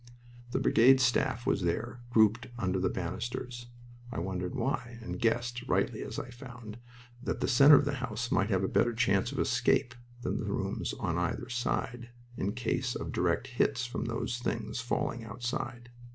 The brigade staff was there, grouped under the banisters. I wondered why, and guessed (rightly, as I found) that the center of the house might have a better chance of escape than the rooms on either side, in case of direct hits from those things falling outside.